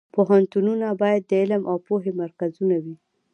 پوهنتونونه باید د علم او پوهې مرکزونه وي